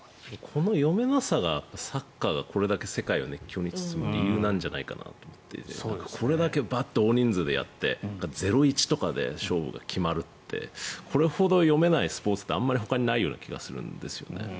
この読めなさがサッカーがこれだけ世界を熱狂に包む理由なんじゃないかと思っていてこれだけバッと大人数でやって０−１で勝負が決まるってこれほど読めないスポーツってほかにない気がするんですよね。